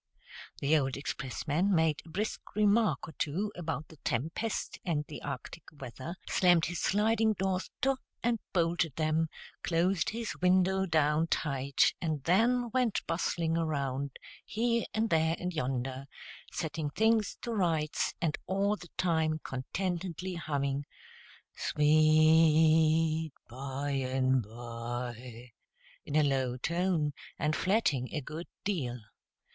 The old expressman made a brisk remark or two about the tempest and the arctic weather, slammed his sliding doors to, and bolted them, closed his window down tight, and then went bustling around, here and there and yonder, setting things to rights, and all the time contentedly humming "Sweet By and By," in a low tone, and flatting a good deal.